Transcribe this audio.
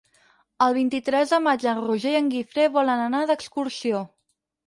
El vint-i-tres de maig en Roger i en Guifré volen anar d'excursió.